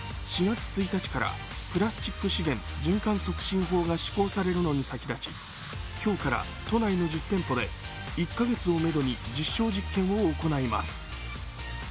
４月１日からプラスチック資源循環促進法が施行されるのに際し今日から都内の１０店舗で１カ月をめどに実証実験を行います。